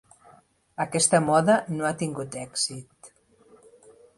Aquesta moda no ha tingut èxit.